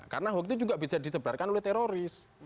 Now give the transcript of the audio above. karena hoax itu juga bisa disebarkan oleh teroris